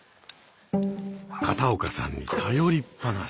片岡さんに頼りっぱなし。